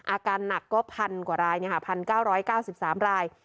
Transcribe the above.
อาการหนักก็๑๐๐กว่าราย๑๙๙๓ราย